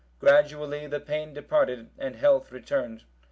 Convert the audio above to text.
Gradually the pain departed and health returned.